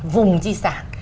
vùng di sản